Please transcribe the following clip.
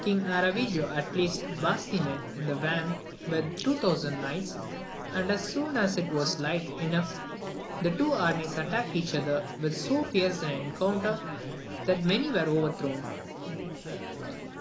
King Aravigo had placed Barsinan in the van with two thousand knights, and as soon as it was light enough the two armies attacked each other, with so fierce an encounter that many were overthrown.